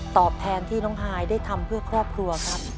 ตอบแทนที่น้องฮายได้ทำเพื่อครอบครัวครับ